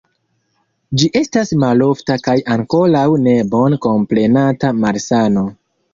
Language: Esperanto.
Ĝi estas malofta kaj ankoraŭ ne bone komprenata malsano.